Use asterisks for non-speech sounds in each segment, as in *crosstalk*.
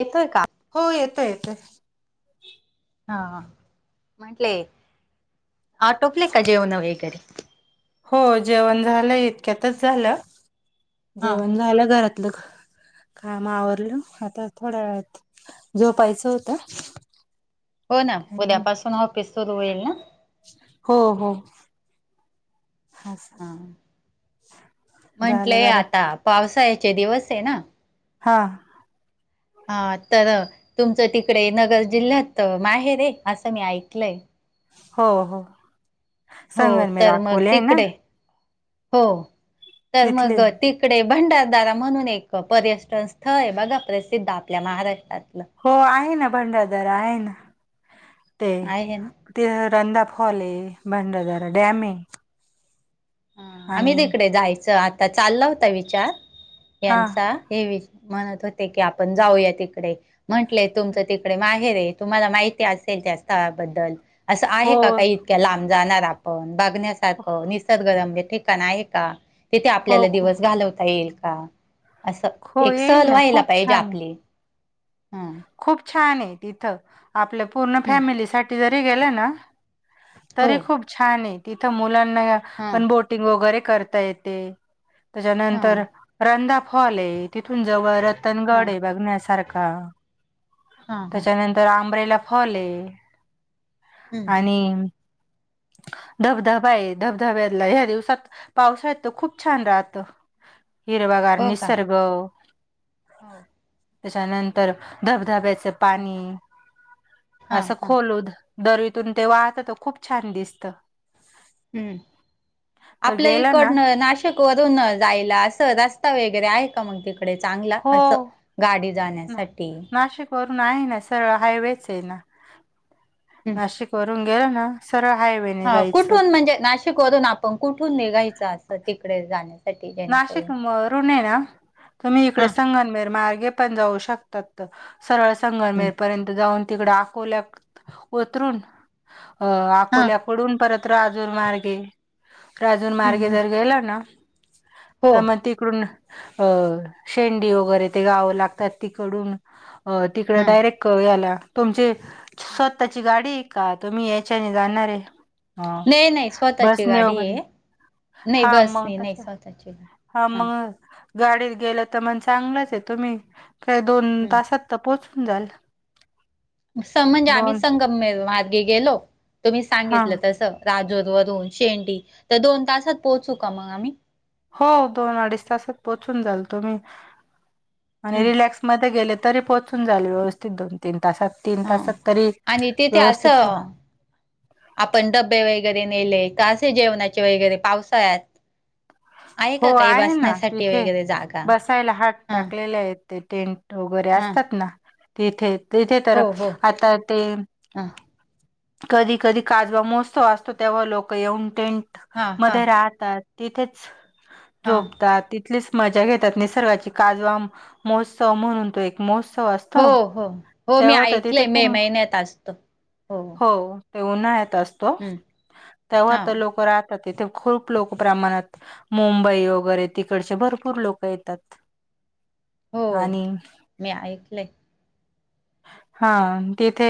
येतोय का? हो येतोय येतोय. हा म्हंटले आटोपले का जेवण वगैरे. हो जेवण झालं इतक्यातच झालं, हा. जेवण झालं घरात लं काम आवरलं आता थोड्या वेळात झोपायचं होत. हो ना? उद्यापासून ऑफिस सुरू होईल ना? हो हो. हा झालं म्हंटलेय घरात आता पावसाळ्याचे दिवस आहे ना? हां. हा तर तुमचं तिकडे नगर जिल्ह्यात माहेर आहे असं मी ऐकलंय. हो हो. हो संगमनेर तर मग अकोले आहे ना तिकडे हो तर तिथले मग ती तिकडे भंडारदारा म्हणून एक पर्यटन स्थळ आहे बघा प्रसिद्ध आपल्या महाराष्ट्रातलं. हो आहे ना भंडारदारा आहे ना ते. आहे ना. ते रंधा फॉल आहे भंडारदारा डॅम आहे. हा आम्ही आणि तिकडे जायचं आता चालला होता विचार हा यांचा हे विच म्हणत होते की आपण जाऊया तिकडे म्हंटलेय तुमचं तिकडे माहे हेर तुम्हाला माहिती असेल त्या स्थळाबद्दल असं आहे हो का काही इतक्या लांब? जाणार आपण बगण्यासारखं निसर्गरम्य ठिकाण आहे का? तिथे हो आपल्याला दिवस घालवता येईल का? असं, हो एक येईल सहल ना व्हायला खूप पाहिजे छान आहे आपली. हम खूप छान आहे तिथं, आपल्या पूर्ण हं, फॅमिली साठी जरी गेलं ना? हो तरी खूप छान आहे तिथं मुलांना हां पण बोटिंग वगैरे करता येते. हां त्याच्यानंतर रंधा फॉल आहे. तिथून जवळ रतनगड हां आहे बघण्यासारखा. हां हां त्याच्यानंतर आंबराईला फॉल आहे हं, हं. आणि. धबधबा आहे धबधब्यातला ह्या दिवसात, पावसाळ्यात खूप छान राहत, हिरवागार हो का निसर्ग. हो त्याच्यानंतर धबधब्याचं हं, पाणी हां असं हां खोलू दरीतून ते वाहत तर खूप छान दिसत. हम्म. तर आपल्या गेलं ना इकडन नाशिक तून जायला अस रस्ता वगैरे आहे का मग ते डे चांगला हो असं गाडी जाण्यासाठी, वर आहे ना सरळ हायवेच आहे ना. हं. नाशिक वरून गेल ना सरळ हायवे. हा कुठून म्हणजे नाशिक मधून आपण कुठून निघायचं असं तिकडे जाण्या नाशिक वरून आहे ना तुम्ही हा इकडे संगनमेर मार्गे पण जाऊ शकतात. सरळ हम्म संगममेर पर्यंत जाऊन तिकडे अकोल्यात उतरून अ हा अकोल्याकडून परत राजूर मार्गे. राजूर हम्म मार्गे हम्म जर गेला ना? हो तर मग तिकडून अ शेंडी वगैरे ते गावं लागतात तिकडून, अ तिकडे हा हा. डायरेक्ट याला तुमचे स्वःची गाडी का तुम्ही याच्याने जाणार आहे? हा नाही नाही बस स्वतःची नि गाडी वगैर आहे नाही हा बस मग नाही तस नाही स्वतःची गाडी हा मग गाडीत गेलं तर मण चांगलंच आहे तुम्ही, खरं दोन हम्म तासात तर पोहोचून जाल. स म्हणजे आम्ही दोन संगमनेर मार्गे गेलो तुम्ही हा सांगितलं तसं. राजोर वरून शेंडी तर दोन तासात पोहोचू का मग आम्ही? हो दोन- अडीच तासात पोहोचून जाल तुम्ही आणि हं. रिलॅक्समध्ये गेले तरी पोहोचून जाल व्यवस्थित दोन-तीन तासात तीन हा तासात तरी आणि तिथे व्यवस्थित असं आपण डबे वगैरे नेले का असे जेवणाचे वगैरे पावसाळ्यात. हो का काही आहे ना बसण्यासाठी तिथे वगैरे जागा बसायला हात हा टाकलेले आहेत. ते टेंट वगैरे हा असतात ना? तिथे तिथे तर हो हो आता ते ह कधी कधी काजवा मोजतो असतो तेव्हा लोक येऊन टेंट हा हा मध्ये राहत यात, तिथेच हा झोपतात तलीच मजा घेतात निसर्गाची काजवा महोत्सव म्हणून तो एक महोत्सव असतो हो हो हो मी तेव्हा तर तिथे ऐकलेय मे खूप महिन्यात असत हो‌. हो ते उन्हाळ्यात असतो तेव्हा हा तर लोक तथे खूप लोक प्रमाणात मुंबई वगैरे तिकडचे भरपूर लोक येतात. हो आणि मी ऐकलंय. हा तिथे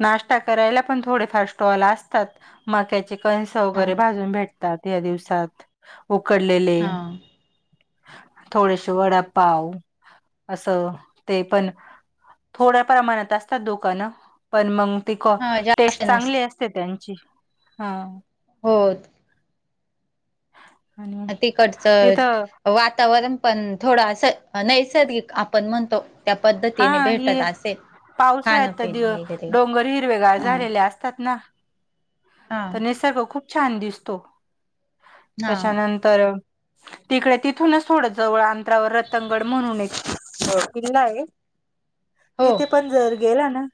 नाश्टा करायला पण थोडेफार स्टॉल असतात. मक्याचे कणस हा वगैरे भाजून भेटतात या दिवसात. उकडलेले, हा थोडेशे वडापाव. असं ते पण, थोड्या प्रमाणात असतात दुकानं पण, मग ती हा जास्त टेस्ट नसत चांगली असते त्यांची हा. होत. आणि तिकटच तिथं वातावरण पण, थोडं असं नैसर्गिक आपण म्हणतो त्या पद्धतीने भेटत असेल. पाऊस आहे खाणं आता पिणं तो वगैरे डोंगर हिरवेगार ह झालेले असतात ना. हा तर निसर्ग खूप छान दिसतो, हा त्याच्यानंतर तिकडे तिथूनच थोडं जवळ अंतरावर रतंगड म्हणून एक किल्ला आहे *inaudible* हो तिथे पण जर गेला ना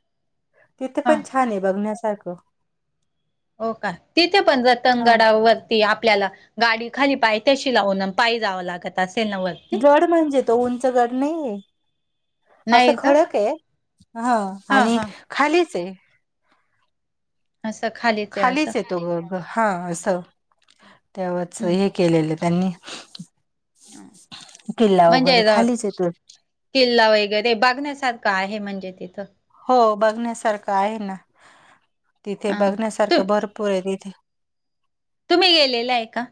तिथे हा पण छान हे बघण्यासारखं. हो का? तिथे पण हा रतांगगडावर ती आपल्याला गाडी खाली पाय तशी लावून पाय जावं लागत असेलन वर. गड म्हणजे तो उंच गड नई ये. असं नाही का खडक ये, हा आणि हा खालीच ये. असं खालीच ये असं. त हा अस तेव्हाच हे हम्म केलेलं त्यांनी किल्ला म्हणजे वगैरे ग खालीच येतो किल्ला वगैरे बघण्यासारखा आहे म्हणजे तिथं. हो बघण्यासारखं आहे ना, तिथे ह तु बघण्यासारखं भरपूर आहे तिथे. तुम्ही गेलेलं आहे का?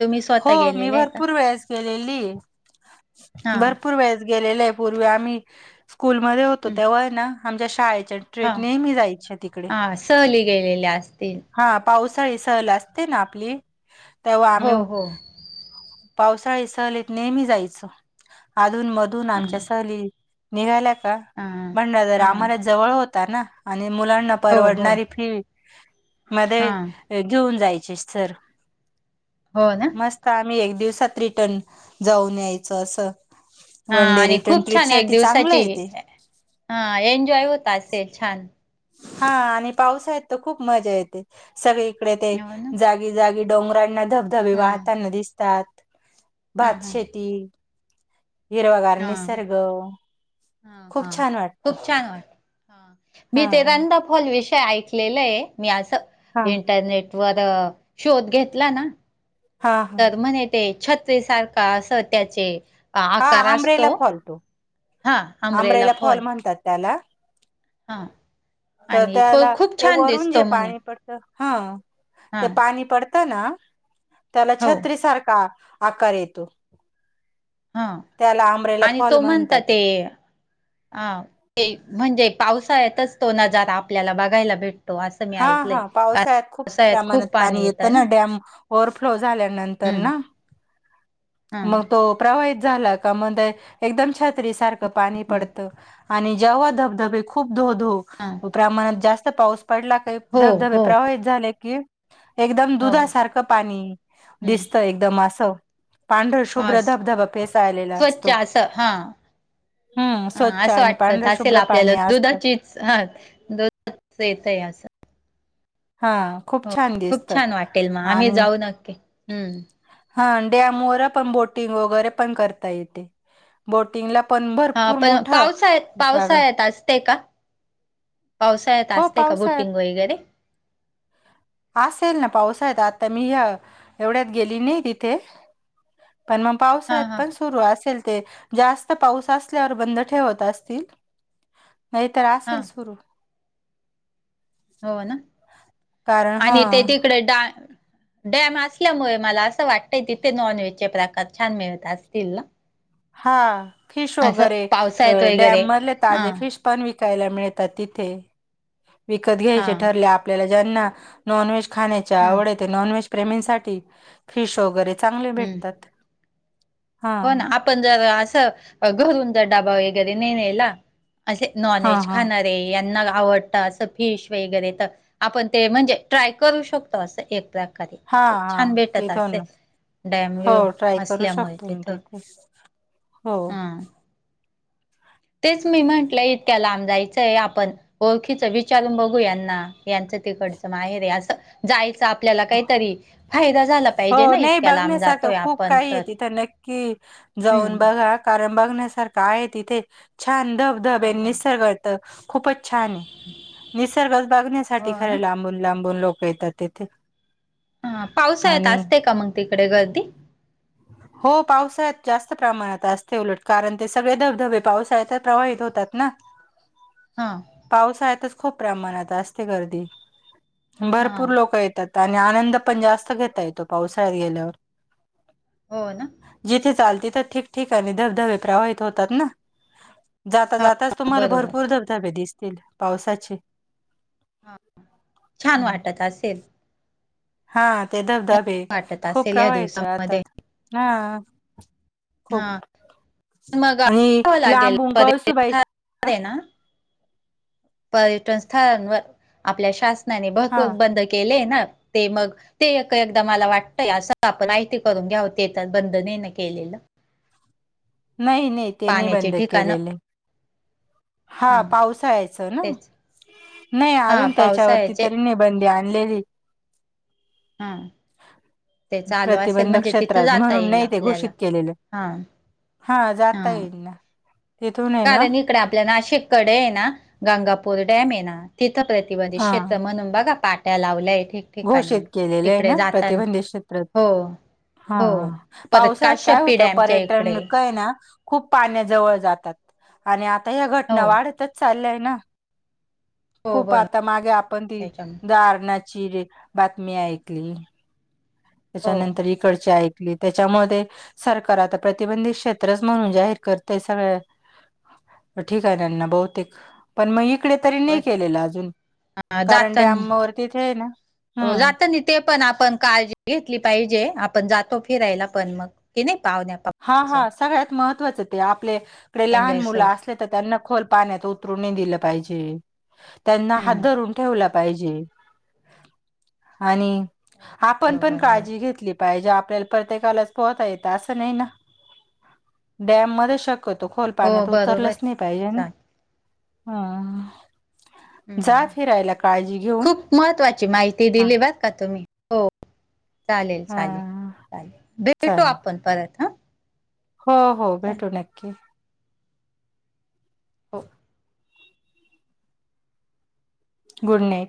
तुम्ही हो, स्वतः मी गेलेले आहे का भरपूर वेळेस गेलेली ये, हा भरपूर वेळेस गेलेल ये, पूर्वी आम्ही स्कूलमध्ये होतो हम्म तेव्हा ये ना आमच्या शाळेच्या हा ट्रिप ने मी जायच्या तिकडे. हा सहली गेलेल्या असतील हा पावसाळी सहल असते ना आपली तेव्हा हो आम्ही हो. पावसाळी सहलीत नेहमी जायचं, अधून मधून ह आमच्या सहली निघाल्या का हा *unintelligible* जरा हा आम्हाला जवळ होता ना, आणि मुलांना हो हो परवडणारी फी हा मध्ये घेऊन जायची सर. हो ना. मस्त आम्ही एक दिवसात रिटर्न जाऊन यायचं असं. हा वन डे आणि रिटर्न खूप ट्रिप छान एक साठी चांगलं दिवसाची आहे ते हा एन्जॉय होता असे छान. हा आणि पावसाळ्यात त खूप मजा येते, सगळीकडे ते हो ना जा जागी जागी डोंगरांना धबधबे हा वाहताना दिसतात हा भात हा शेती हिरवागार हा निसर्ग, हा हा खूप छान वाटत. खूप छान वाट हा मी हा ते रंदाफॉल विषय ऐकलेलं ये, मी हा असं इंटरनेट वर शोध घेतला ना हां. तर म्हणे तेे छत्रीसारख असं त्याचे हा आकार असतो आंब्रेला फॉल तो, आंब्रेला फॉल म्हणतात त्याला. हा तर आणि त्याला खूप ते छान वरून दिसतो जे म्हणे पाणी पड हा हा ते पाणी पडत ना त्याला हो छत्रीसारखा आकार येतो. हां, त्याला आंब्रेला आणि फॉल तो म्हणतात. म्हणता ते अं, ते म्हणजे पावसाळ्यातच तो नजारा आपल्याला बघायला भेट हा हा पावसाळ्यात खूप प्रमाणात पाणी येतं ना डॅम ओ्हरफ्लो झाल्यानंतर हम्म ना, हा म तो प्रवाहित झाल का म एकदम छात्री सारखं पाणी हम्म पडतं. आणि जेव्हा धबधबे खूप धो धो हां. प्रमाणात जास्त पाऊस पडला काही धबधबे हो प्रवाहित झाले की एकदम हो दुधासारखं पाणी हम्म दिसतं एकदम असं. पांढर हा शुभ्र धबधबा फेसायलेला स्वच्छ असतो. असं हा हम्म हा स्वच्छ असं आणि वाटत पांढर असेल शुभ्र आपल्याला पाणी असत. दुधाचीच हा दोन येतय असं हा, खूप हो छान. खूप दिसत छान वाटेल मग आम्ही आणि जाऊ नक्की हम्म हा डॅम व पण बोटिंग वगैरे पण करता येते बोटिंगला पण हा भरपूर पण मोठं पावसात जागा आहे. पावसाळ्यात असते का? पावसाळ्यात हो असते का पावसाळ्यात बोटिंग वगैरे असेल ना पाऊस आहे आता मी एवढ्यात गेली नाही तिथे. पण मग हा पावसत हा पण सुरू असेल ते जास्त पाऊस असल्यावर बंद ठेवत असतील. नाहीतर हा असेल सुरू हो ना कारण ह आणि ते तिकडे डा डॅम असल्यामुळे मला असं वाटतंय तिथे नॉन व्हेजचे प्रकार छान मिळत असतील ना, हा फिश असं वगैरे पावसाळ्यात वगैरे डॅम मधले हा ताजे फिश पण विकायला मिळतात तिथे विकत हा घ्यायचे ठरले आपल्याला ज्यांना नॉनव्हेज खाण्याच्या हा आवडेत नॉनव्हेज प्रेमींसाठी फिश वगैरे चांगले हम्म भेटतात. हा हो ना आपण जर असं घरून जर डबा वगैरे ने नला असे नॉन हा व्हेज हा खाणार आहे यांना आवडत असं फिश वगैरे तर आपण ते म्हणजे ट्राय करू शकतो असं एक प्र हा हा ते तोन डॅम हो व्ह्यू ट्राय करू असल्यामुळे शकतो मी तिथं तिथे हो हा तेच मी म्हंटलं इतक्या लांब जायचंय आपण ओळखीच विचारून बघू यांना यांचं तिकडचं मा आहे रे असं जायच आपल्याला काहीतरी फायदा झाला हो पाहिजे ना नाही इतक्या लांब जातोय आपण तर कि जाऊन हम्म बघा कारण बघण्यासारखा आहे तिथे छान दब हा धबे हा निसर्गतर खूपच छान आहे. निसर्गच बघण्यासाठी हो ना खरे लांबून लांबून लोक येतात तिथे. हा पावसाळ्यात आणि असते का मग तिकडे गर्दी? हो पावसाळ्यात जास्त प्रमाणात असते उलट कारण ते सगळे धबधबे पावसाळ्यात प्रवाहित होतात ना. ह. पावसाळ्यातच खूप प्रमाणात असते गर्दी, हा भरपूर लोक येत- आणि आनंद पण जास्त घेता येतो पावसाळ्यात गेल्यावर. हो ना, जिथे चाल तिथं ठिकठिकाणी धबधबे प्रवाहित होतात ना जाता हा जात आज तुम्हाला बरोबर भरपूर धबधबे दिसतील पावसाचे. छान हम्म. वाटत असेल. हा ते धबधबे, वाटत खूप असेल या प्रवाहित राहतात दिवसामध्ये हा. हो हा मग आणि लांबून कळसुबाई अरे ना पर्यटन स्थळावर, आपल्या शासनाने हा भरपूर बंद केले ना. ते मग ते एकदा मला वाटतय असं आपण माहिती करून घ्याव ते पण नाही ना बंदनेन केलेलं. नाही नाही ते नाही पाण्याचे बंद ठिकाण केलेलं. हा पावसाळ्याचं ना, तेच नाही हा अजून त्याच्यावरती पावसाळ्याचे तरी नाही बंदी आणलेली. हा ते चालू असेल प्रतिबंधक म्हणजे तिथं क्षेत्रांत जाता म्हणून येईल नाही ते घोषित आपल्याला केलेल. हा हा जाता येईल ना. तिथून आहे ना कारण इकडे आपल्या नाशिककडे हे ना गंगापूर डॅम हे ना तिथं प्रतिबंधित हा क्षेत्र म्हणून बघा पाट्या लावल्याय तिथे घोषित केलेले आहे ना प्रतिबंधित क्षेत्र. हो हा हो हा परत पावसाळ्यात काय काश्यपी होतं डॅमच्या पर्यटन इकडे स्थळ आहे ना. खूप पाण्याजवळ जातात आणि आता ह्या घटना हो वाढतच चालल्याय ना. हो खूप बरं आता मागे आपण ती दारणाची बातमी ऐकली. त्याच्यानंतर त्याच्यामुळे इकडची ऐकली त्यांच्यामुळे ते सरकार आता प्रतिबंधित क्षेत्रच म्हणून जाहीर करतय सगळं ठिक आहे त्यांना बहुतेक पण मग इकडे तरी नाही हो केलेलं अजून कारण जातानी डॅम वरती तिथे आहे ना हो हम्म जातानी ते पण आपण काळजी घेतली पाहिजे आपण जातो फिरायला पण मग. ते नाही का *unintelligible* हा हा सगळ्यांत महत्त्वाचं ते आपल्याकडे लहान एन्जॉय मुलं सर अस लेत तर त्यांना खोल पाण्यात उतरू नाही दिलं पाहिजे, त्यांना हात हम्म धरुन ठेवल पाहिजे आणि आपण पण बरोबर बर काळजी घेतली पाहिजे आपल्याला प्रत्येकालाच पोहता येत असं नाही ना डॅम मध्ये शक क्यतो खोल हो पाण्यात बरोबर उतरलच नाही पाहिजे चाल हा जा हम्म फिरायला काळजी घेऊन खूप महत्त्वाची माहिती हा दिली बर का तुम्ही, हो. चालेल हा चालेल चालेल, भेटू चालेल आपण परत. हा हो हो, चालेल भेटू नक्की. हो गुड नाईट